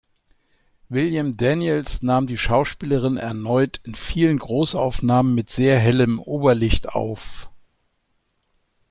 William Daniels nahm die Schauspielerin erneut in vielen Großaufnahmen mit sehr hellem Oberlicht auf.